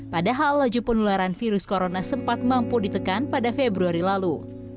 padahal laju penularan virus corona sempat mampu ditekan pada februari lalu